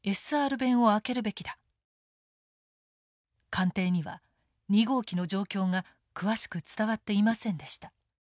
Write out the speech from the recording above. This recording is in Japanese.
官邸には２号機の状況が詳しく伝わっていませんでした。